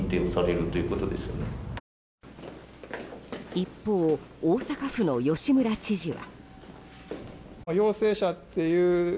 一方、大阪府の吉村知事は。